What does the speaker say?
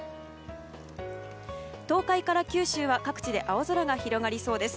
東海から九州は各地で青空が広がりそうです。